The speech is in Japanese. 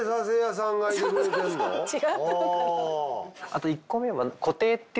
あと１個目は？